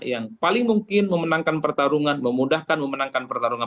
yang paling mungkin memenangkan pertarungan memudahkan memenangkan pertarungan